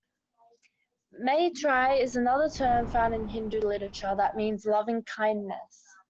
"Maitri" is another term found in Hindu literature that means "loving-kindness".